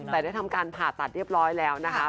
แต่ได้ทำการผ่าตัดเรียบร้อยแล้วนะคะ